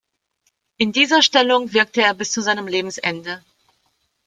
In dieser Stellung wirkte er bis zu seinem Lebensende.